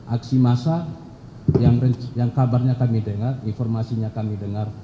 aksi massa yang kabarnya kami dengar informasinya kami dengar